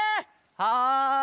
はい！